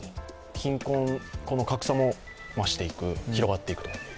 貧困格差も増していく、広がっていくと。